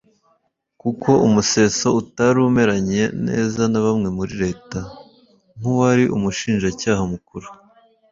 Kuko Umuseso utari umeranye neza na bamwe muri Leta nk’uwari umushinjacyaha mukuru